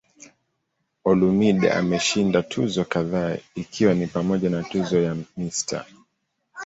Olumide ameshinda tuzo kadhaa ikiwa ni pamoja na tuzo ya "Mr.